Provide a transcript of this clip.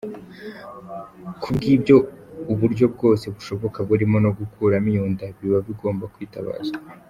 Ku bw’ibyo, uburyo bwose bushoboka burimo no gukuramo iyo nda, biba bugomba kwitabazwa.